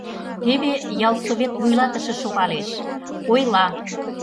Теве ялсовет вуйлатыше шогалеш, ойла: